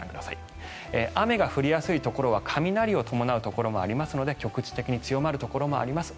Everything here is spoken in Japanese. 雨が降りやすいところは雷を伴うところもあるので局地的に強まるところもあります